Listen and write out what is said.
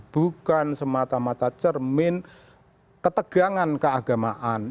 bukan semata mata cermin ketegangan keagamaan